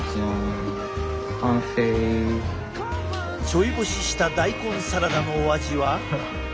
ちょい干しした大根サラダのお味は？